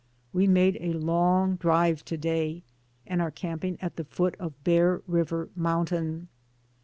We made a long drive to day and are camping at the foot of Bear River mountain.